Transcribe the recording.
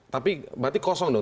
tapi berarti kosong dong